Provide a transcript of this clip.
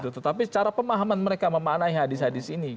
tetapi cara pemahaman mereka memanai hadis hadis ini